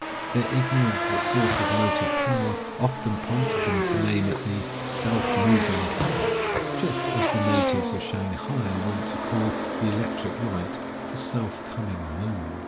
Their ignorance of its source of motive power often prompted them to name it the "self moving cart," just as the natives of Shanghai are wont to call the electric light "the self coming moon."